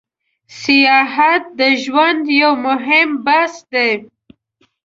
سیاحت د ژوند یو موهیم بحث ده